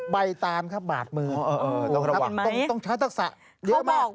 ใบตานครับบาดมือต้องใช้ทักษะเยอะมากเก่งมาก